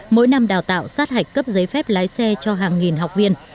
mỗi năm đào tạo sát hạch cấp giấy phép lái xe cho hàng nghìn học viên